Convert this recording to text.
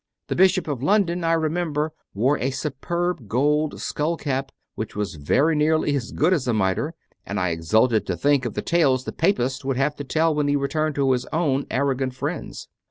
The Bishop of London, I remember, wore a superb gold skull cap which was very nearly as good as a mitre, and I exulted to think of the tales the Papist would have to tell when he returned to his own arrogant friends.